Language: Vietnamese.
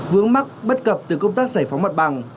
vướng mắc bất cập từ công tác giải phóng mặt bằng